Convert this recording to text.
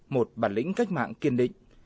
một bản lĩnh cách mạng kiên định